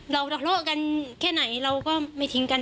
เราทะเลาะกันแค่ไหนเราก็ไม่ทิ้งกัน